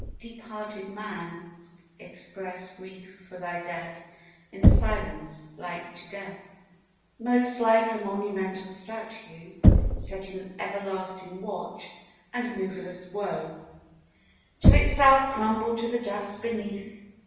Deep hearted man, express Grief for thy Dead in silence like to death : Most like a monumental statue set In everlasting watch and moveless woe, Till itself crumble to the dust beneath.